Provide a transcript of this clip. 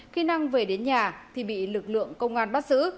khi năng về đến nhà thì bị lực lượng công an bắt giữ